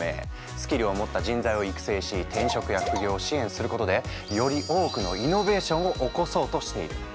スキルを持った人材を育成し転職や副業を支援することでより多くのイノベーションを起こそうとしている。